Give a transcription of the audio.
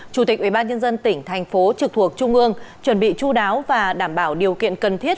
chủ tịch ubnd tỉnh thành phố trực thuộc trung ương chuẩn bị chú đáo và đảm bảo điều kiện cần thiết